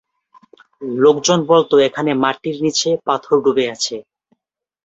লোকজন বলতো এখানে মাটির নিচে পাথর ডুবে আছে।